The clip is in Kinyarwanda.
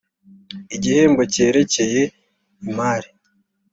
igihombo cyerekeye imari .